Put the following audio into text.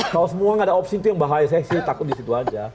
kalau semua gak ada opsi itu yang bahaya saya takut disitu aja